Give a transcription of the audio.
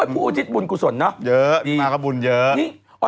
อำนาคาบุญเยอะ